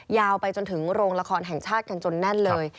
ยาวไปจนถึงโรงละครแห่งชาติกันจนแน่นเลย